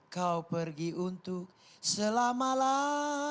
kau pergi untuk selamalah